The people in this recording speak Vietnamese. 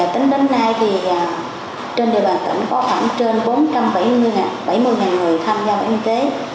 tính đến nay thì trên địa bàn tỉnh có khoảng trên bốn trăm bảy mươi người tham gia vào y tế